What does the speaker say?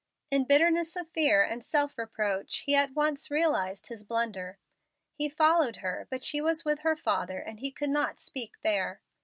In bitterness of fear and self reproach he at once realized his blunder. He followed her, but she was with her father, and he could not speak there.